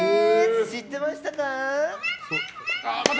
知ってましたか？